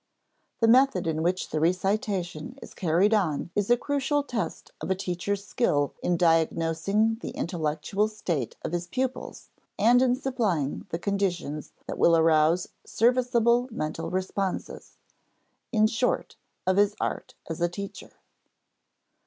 The method in which the recitation is carried on is a crucial test of a teacher's skill in diagnosing the intellectual state of his pupils and in supplying the conditions that will arouse serviceable mental responses: in short, of his art as a teacher.